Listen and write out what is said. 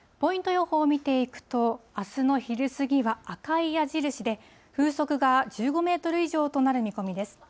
予報を見ていくと、あすの昼過ぎは赤い矢印で、風速が１５メートル以上となる見込みです。